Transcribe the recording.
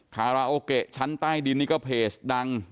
คาราโอเกะชั้นใต้ดินนี่ก็เพจดัง